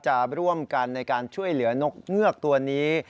จะร่วมกันในการช่วยเหลือนกเงือกตัวนี้